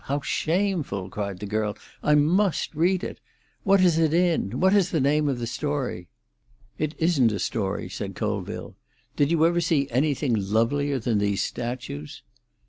how shameful!" cried the girl. "I must read it. What is it in? What is the name of the story?" "It isn't a story," said Colville. "Did you ever see anything lovelier than these statues?"